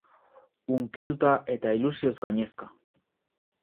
Hunkituta eta ilusioz gainezka.